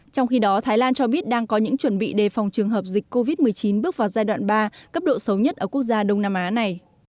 trong khi đó thái lan cho biết đang có những chuẩn bị đề phòng trường hợp dịch covid một mươi chín bước vào giai đoạn ba cấp độ xấu nhất ở quốc gia đông nam á này